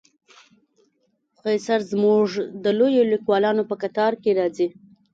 قیصر زموږ د لویو لیکوالو په قطار کې راځي.